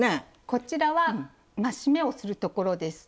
こちらは「増し目」をするところです。